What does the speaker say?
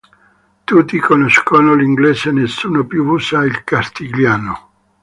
Tutti conoscono l'inglese, nessuno più usa il castigliano.